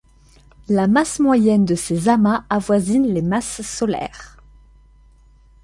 La masse moyenne de ces amas avoisine les masses solaires.